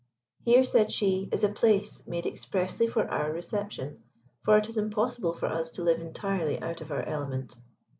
"Here," said she, "is a place made expressly for our reception; for it is impossible for us to live entirely out of our element."